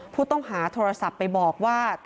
ผู้ต้องหาโทรศัพท์ไปบอกว่า